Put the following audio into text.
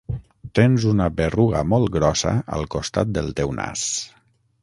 Tens una berruga molt grossa al costat del teu nas.